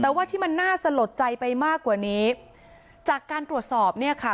แต่ว่าที่มันน่าสลดใจไปมากกว่านี้จากการตรวจสอบเนี่ยค่ะ